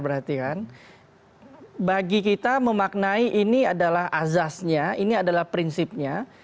bagi kita memaknai ini adalah azasnya ini adalah prinsipnya